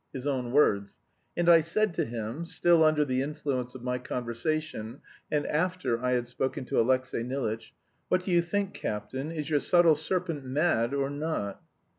His own words. And I said to him (still under the influence of my conversation, and after I had spoken to Alexey Nilitch), 'What do you think, captain, is your subtle serpent mad or not?'